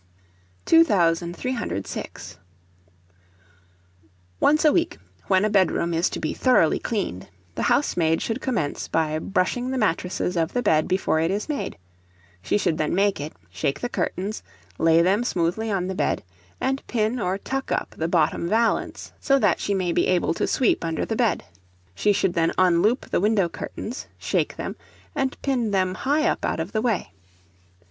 [Illustration: SCRUBBING BRUSH.] 2306. Once a week, when a bedroom is to be thoroughly cleaned, the house maid should commence by brushing the mattresses of the bed before it is made; she should then make it, shake the curtains, lay them smoothly on the bed, and pin or tuck up the bottom valance, so that she may be able to sweep under the bed. She should then unloop the window curtains, shake them, and pin them high up out of the way.